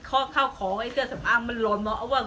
กลับมาที่สุดท้ายมีกลับมาที่สุดท้าย